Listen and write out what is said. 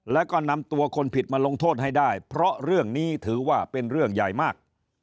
แล้วก็นำตัวคนผิดมาลงโทษให้ได้เพราะเรื่องนี้ถือว่าเป็นเรื่องใหญ่มาก